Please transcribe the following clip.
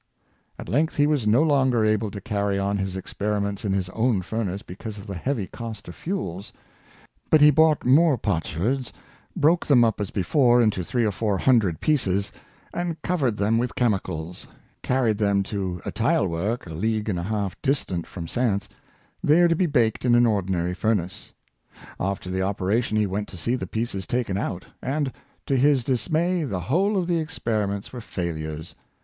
At length he was no longer able to carry on his experiments in his own furnace because of the heavy cost of fuel; but he bought more potsherds, broke them up as before into three or four foundred pieces, and, covering them with chemicals, carried them to a tile work a league and a half distant from Saintes, there to be baked in an ordinary furnace. After the opera tion he went to see the pieces taken out, and, to his dis may, the whole of the experiments were failures.